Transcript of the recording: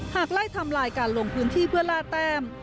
ไล่ทำลายการลงพื้นที่เพื่อล่าแต้ม